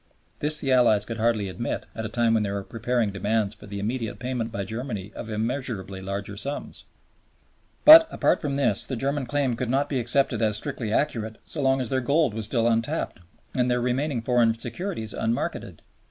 This the Allies could hardly admit at a time when they were preparing demands for the immediate payment by Germany of immeasurably larger sums. But, apart from this, the German claim could not be accepted as strictly accurate so long as their gold was still untapped and their remaining foreign securities unmarketed.